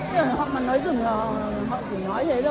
thế thì họ mà nói rừng họ chỉ nói thế thôi